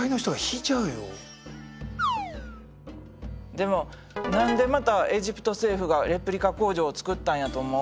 でも何でまたエジプト政府がレプリカ工場を作ったんやと思う？